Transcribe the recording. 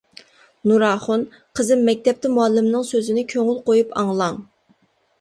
نۇراخۇن:-قىزىم، مەكتەپتە مۇئەللىمنىڭ سۆزىنى كۆڭۈل قۇيۇپ ئاڭلاڭ.